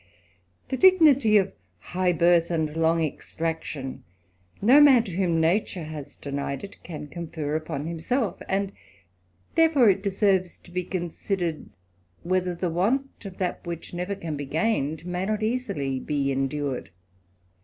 The dignity of high birth and long extraction, no man whom nature has denied it, can confer upon himself; and j therefore, it deserves to be considered, whether the want that which can never be gained, may not easily be endured.